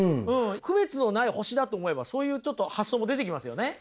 区別のない星だと思えばそういうちょっと発想も出てきますよね。